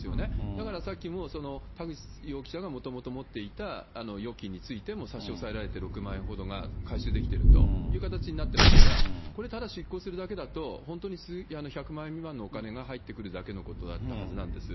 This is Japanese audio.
だからさっき、田口容疑者がもともと持っていた預金についても差し押さえられて６万円ほどが回収できてるという形になってますから、これただ執行するだけだと、本当に１００万円未満のお金が入ってくるだけのことだったはずなんです。